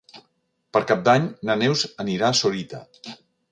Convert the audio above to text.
Per Cap d'Any na Neus anirà a Sorita.